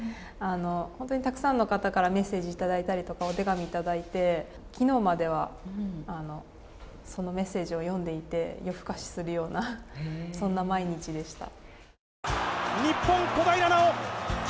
本当にたくさんの方からメッセージをいただいたりとか、お手紙をいただいて昨日まではそのメッセージを読んでいて夜更かしするような、そんな毎日でした。